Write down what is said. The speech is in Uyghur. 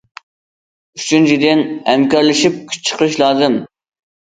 ئۈچىنچىدىن، ھەمكارلىشىپ كۈچ چىقىرىش لازىم.